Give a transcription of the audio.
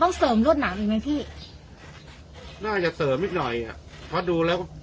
เสริมรวดหนามอีกไหมพี่น่าจะเสริมนิดหน่อยอ่ะเพราะดูแล้ว